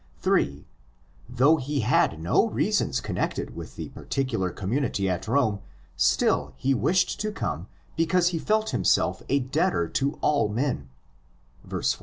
(8) Though he had no reasons connected with the particular community at Rome, still he wished to come because he felt himself a debtor to all men (verse 14).